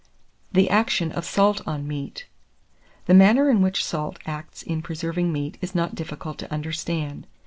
THE ACTION OF SALT ON MEAT. The manner in which salt acts in preserving meat is not difficult to understand.